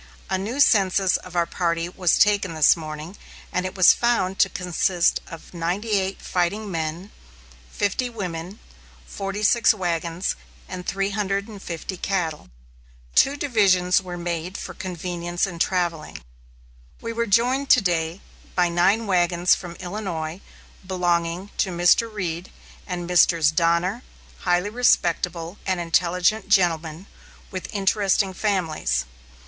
A new census of our party was taken this morning; and it was found to consist of 98 fighting men, 50 women, 46 wagons, and 350 cattle. Two divisions were made for convenience in travelling. We were joined to day by nine wagons from Illinois belonging to Mr. Reed and Messrs. Donner, highly respectable and intelligent gentlemen with interesting families.